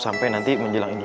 sampai nanti menjelang